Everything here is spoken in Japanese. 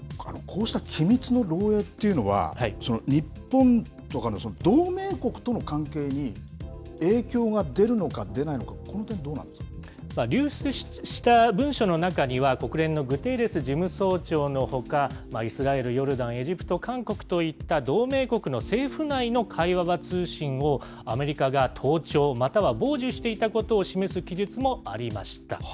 こうした機密の漏えいというのは、日本とかの同盟国との関係に影響が出るのか出ないのか、流出した文書の中には、国連のグテーレス事務総長のほか、イスラエル、ヨルダン、エジプト、韓国といった同盟国の政府内の会話や通信を、アメリカが盗聴または傍受していたことを示す記述もありました。